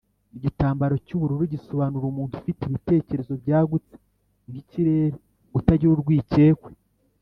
igitambaro cy’ubururu gisobanura umuntu ufite ibitekerezo byagutse nk’ikirere, utagira urwikekwe